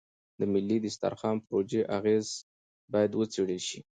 د ملي دسترخوان پروژې اغېز باید وڅېړل شي.